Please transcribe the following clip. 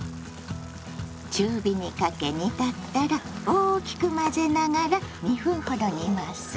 中火にかけ煮立ったら大きく混ぜながら２分ほど煮ます。